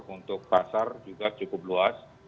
untuk pasar juga cukup luas